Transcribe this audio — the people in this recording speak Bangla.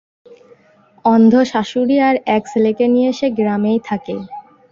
অন্ধ শাশুড়ি আর এক ছেলেকে নিয়ে সে গ্রামেই থাকে।